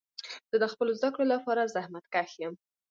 زه د خپلو زده کړو لپاره زحمت کښ یم.